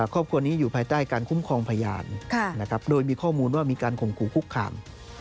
ครอบครัวนี้อยู่ภายใต้การคุ้มครองพยานโดยมีข้อมูลว่ามีการข่มขู่คุกคาม